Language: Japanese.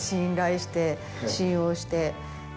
信用して。